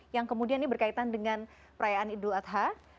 yang kemudian ini berkaitan dengan perayaan idul adha